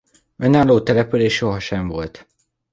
Önálló település sohasem volt.